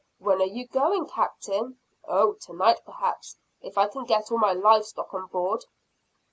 "When are you going, Captain?" "Oh, to night, perhaps if I can get all my live stock on board.